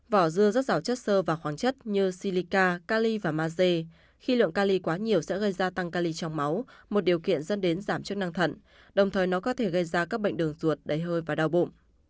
vỏ dưa rất rào chất sơ và khoáng chất như silica cali và maze khi lượng cali quá nhiều sẽ gây ra tăng cali trong máu một điều kiện dẫn đến giảm chất năng thận đồng thời nó có thể gây ra các bệnh đường ruột đầy hơi và đau bụng